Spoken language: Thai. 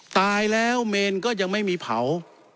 ตายแล้วเมนก็ยังไม่มีเผา